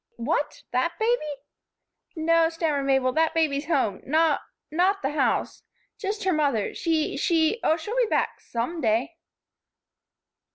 "What! That baby?" "No," stammered Mabel, "that baby's home. Not not the house. Just her mother. She she Oh, she'll be back, some day."